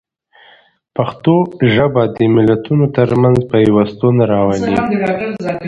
پښتو ژبه د ملتونو ترمنځ پیوستون راولي.